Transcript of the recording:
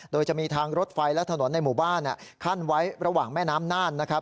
โดยจะมีทางรถไฟและถนนในหมู่บ้านขั้นไว้ระหว่างแม่น้ำน่านนะครับ